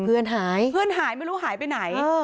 เพื่อนหายเพื่อนหายไม่รู้หายไปไหน